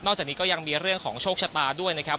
จากนี้ก็ยังมีเรื่องของโชคชะตาด้วยนะครับ